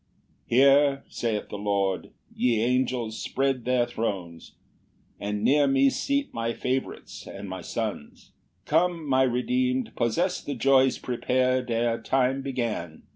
5 "Here (saith the Lord) ye angels, spread their thrones: "And near me seat my favorites and my sons: "Come, my redeem'd, possess the joys prepar'd "Ere time began!